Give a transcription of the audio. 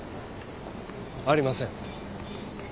ありません。